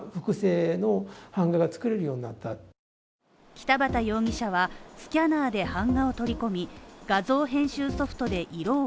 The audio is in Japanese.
北畑容疑者はスキャナーで版画を取り込み画像編集ソフトで色を